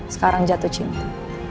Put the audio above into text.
sekarang jatuh cinta